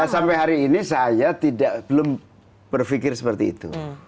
sampai hari ini saya belum berpikir seperti itu